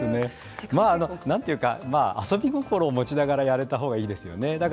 なんというか遊び心を持ちながらやれた方がいいですよね。